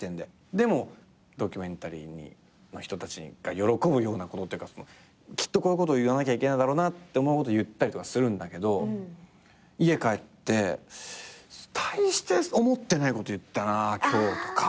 でもドキュメンタリーの人たちが喜ぶようなことっていうかきっとこういうことを言わなきゃいけないんだろうなって思うことを言ったりとかするんだけど家帰って大して思ってないこと言ったな今日とか。